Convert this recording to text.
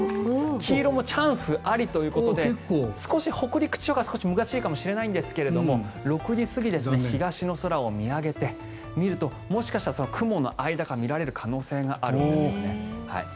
黄色もチャンスありということで少し北陸地方が難しいかもしれないんですが６時過ぎ東の空を見上げてみるともしかしたら雲の間から見られる可能性があるんですよね。